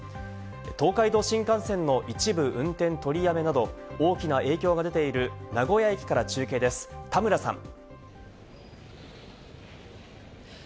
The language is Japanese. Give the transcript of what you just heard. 東海道新幹線の一部運転取りやめなど、大きな影響が出ている名古屋駅から中継です、田村さん。